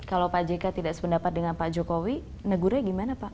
kalau pak jk tidak sependapat dengan pak jokowi negurnya gimana pak